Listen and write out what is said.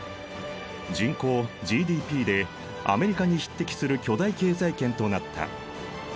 人口ＧＤＰでアメリカに匹敵する巨大経済圏となった。